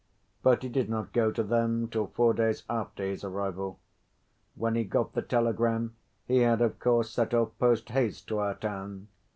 But he did not go to them till four days after his arrival. When he got the telegram, he had, of course, set off post‐haste to our town.